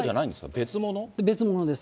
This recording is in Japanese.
別物です。